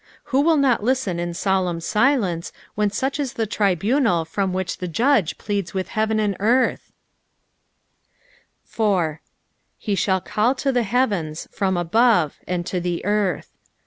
Who will not listen in solemn silence when Buch is the tribunal from which the judge pleads with heaven and earth t 4. "He shall eaU to the beaten* from aoote, and to the earih."